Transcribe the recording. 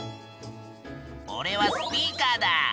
おれはスピーカーだ。